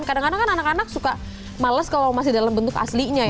kadang kadang kan anak anak suka males kalau masih dalam bentuk aslinya ya